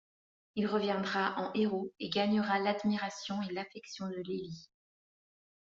Il reviendra en héros et gagnera l'admiration et l'affection de Lili.